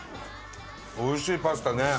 おいしいパスタね。